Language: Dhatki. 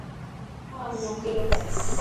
ها هون اڪيلو کائيس.